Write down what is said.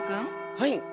はい！